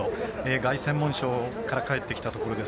凱旋門賞から帰ってきたところです。